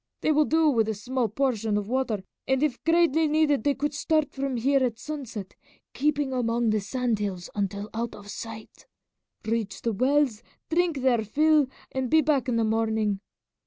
They will do with a small portion of water, and if greatly needed they could start from here at sunset, keeping among the sand hills until out of sight, reach the wells, drink their fill, and be back in the morning.